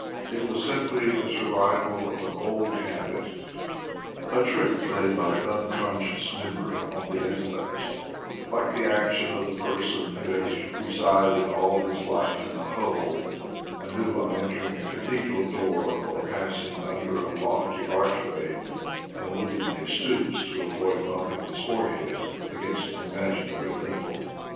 It was simply the survival of an old habit — a trick played by unconscious memory on the in tellect, like the action of the person who has re sided all his life in a hovel, and who, on entering a cathedral door or passing under a lofty arch way, unwittingly stoops to avoid bumping his forehead against an imaginary lintel.